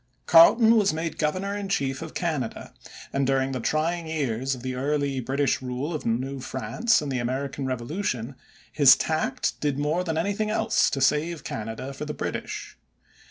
Carleton was made Governor in Chief of Canada, and during the trying years of the early British rule of New France and the American Revolution, his tact did more than anything else to save Canada for the British.